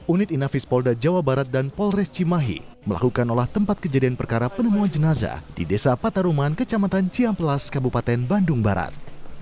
unit inafis polda jawa barat dan polres cimahi melakukan olah tempat kejadian perkara penemuan jenazah di desa patarungan kecamatan ciampelas kabupaten bandung barat